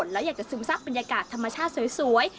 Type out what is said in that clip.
แล้วอยากจะซึมซับบรรยากาศธรรมชาติสวย